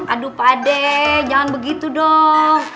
aduh pak ade jangan begitu dong